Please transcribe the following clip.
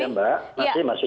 iya mbak masih masih